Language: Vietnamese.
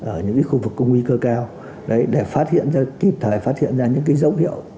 ở những khu vực có nguy cơ cao để phát hiện ra kịp thời phát hiện ra những dấu hiệu